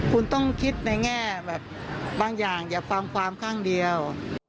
คุณต้องคิดในแง่แบบบางอย่างอย่าฟังความข้างเดียว